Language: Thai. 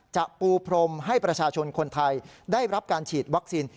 ปูพรมให้ประชาชนคนไทยได้รับการฉีดวัคซีน